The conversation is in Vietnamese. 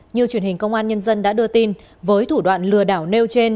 như truyền hình công an nhân dân đã đưa tin với thủ đoạn lừa đảo nêu trên